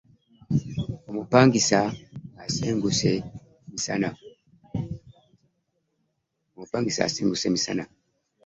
Omupangisa asenguse misana.